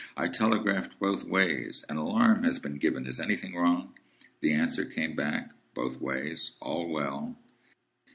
I telegraphed both ways, 'An alarm has been given. Is anything wrong?' The answer came back, both ways, 'All well.